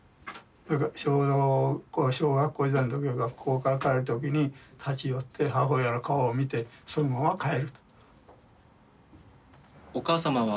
ちょうど小学校時代学校から帰る時に立ち寄って母親の顔を見てそのまま帰ると。